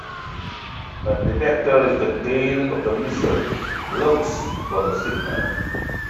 A detector in the tail of the missile looks for the signal.